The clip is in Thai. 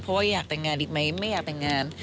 เพราะว่าอยากแต่งงานอีกไหมไม่อยากแต่งงาน